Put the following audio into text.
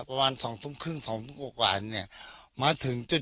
ประมาณสองทุ่มครึ่งสองทุ่มกว่ากว่าเนี่ยมาถึงจุด